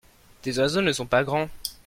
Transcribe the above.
tes oiseaux ne sont pas grands.